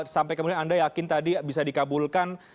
sampai kemudian anda yakin tadi bisa dikabulkan